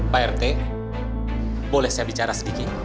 pak rt boleh saya bicara sedikit